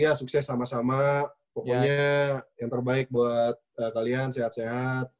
ya sukses sama sama pokoknya yang terbaik buat kalian sehat sehat